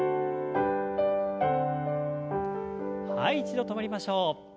はい一度止まりましょう。